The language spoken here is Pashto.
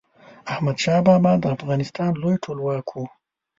احمد شاه بابا د افغانستان لوی ټولواک و.